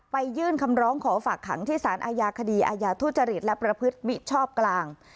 ยื่นคำร้องขอฝากขังที่สารอาญาคดีอาญาทุจริตและประพฤติมิชชอบกลาง